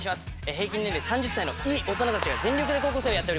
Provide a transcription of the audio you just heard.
平均年齢３０歳のいい大人たちが全力で高校生をやっております。